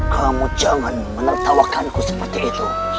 kamu jangan menertawakanku seperti itu